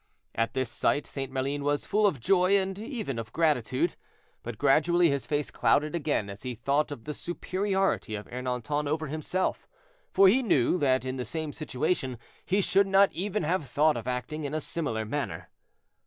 At this sight St. Maline was full of joy and even of gratitude; but gradually his face clouded again as he thought of the superiority of Ernanton over himself, for he knew that in the same situation he should not even have thought of acting in a similar manner.